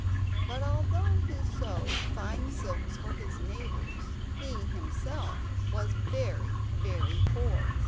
But although he sewed fine silk for his neighbours, he himself was very, very poor.